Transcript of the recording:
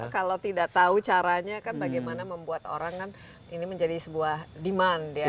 kalau tidak tahu caranya kan bagaimana membuat orang kan ini menjadi sebuah demand ya